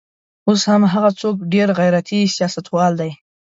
اوس هم هغه څوک ډېر غیرتي سیاستوال دی.